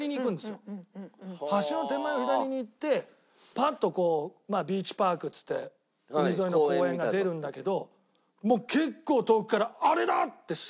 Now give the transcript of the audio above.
橋の手前を左に行ってパッとこうビーチパークっつって海沿いの公園が出るんだけどもう結構遠くからあれだ！ってすぐ。